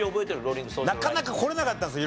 なかなか来れなかったんですよ